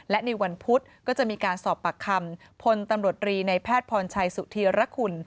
และในวันพุธก็จะมีการสอบปากคำพลตำรวจรีในแพทย์พรชัยสุธีรคุณ